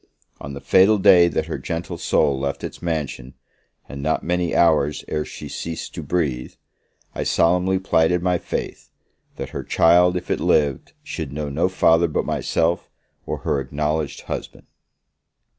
On the fatal day that her gentle soul left its mansion, and not many hours ere she ceased to breathe, I solemnly plighted my faith, That her child if it lived, should know no father but myself, or her acknowledged husband.